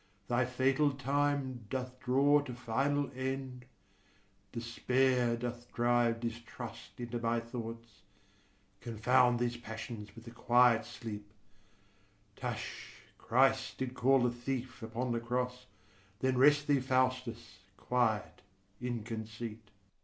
Thy fatal time doth draw to final end; Despair doth drive distrust into my thoughts: Confound these passions with a quiet sleep: Tush, Christ did call the thief upon the Cross; Then rest thee, Faustus, quiet in conceit.